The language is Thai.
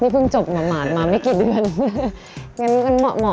นี่เพิ่งจบมาหมานมาไม่กี่เดือน